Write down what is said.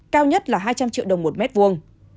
cao nhất là hai trăm linh triệu đồng một mét vuông